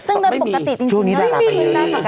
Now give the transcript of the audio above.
ซึ่งในปกติจริงไม่มี